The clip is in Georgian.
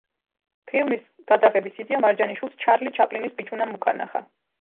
ფილმის გადაღების იდეა მარჯანიშვილს ჩარლი ჩაპლინის „ბიჭუნამ“ უკარნახა.